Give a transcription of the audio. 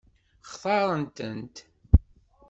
Xtaṛen-tent?